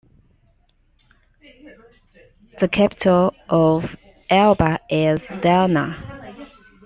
The capital of Ioba is Dano.